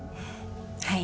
はい。